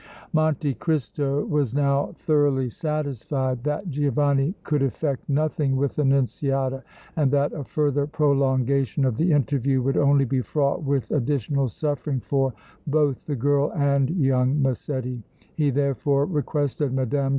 Monte Cristo was now thoroughly satisfied that Giovanni could effect nothing with Annunziata and that a further prolongation of the interview would only be fraught with additional suffering for both the girl and young Massetti; he, therefore, requested Mme.